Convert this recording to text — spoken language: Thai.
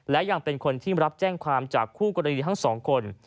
และยังเป็นคนที่รับแจ้งความจากคู่กรณีทั้งสองคน